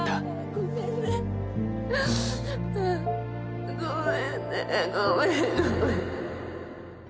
ごめんねごめんごめん。